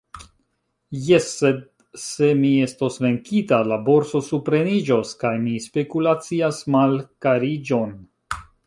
Jes, sed se mi estos venkita, la borso supreniĝos, kaj mi spekulacias malkariĝon.